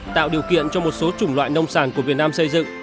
tạo điều kiện cho một số chủng loại nông sản của việt nam xây dựng